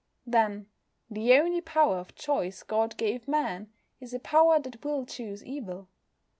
Then, the only power of choice God gave Man is a power that will choose evil.